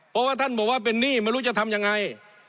เพราะว่าท่านบอกว่าเป็นหนี้ไม่รู้จะทำยังไง